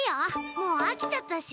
もうあきちゃったし。